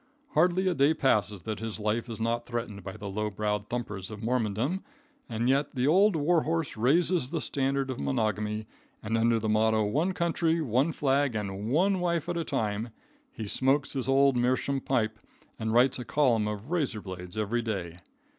Hardly a day passes that his life is not threatened by the low browed thumpers of Mormondom, and yet the old war horse raises the standard of monogamy and under the motto, "One country, one flag and one wife at a time," he smokes his old meerschaum pipe and writes a column of razor blades every day.